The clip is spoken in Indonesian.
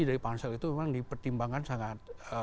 dari pansel itu memang dipertimbangkan sangat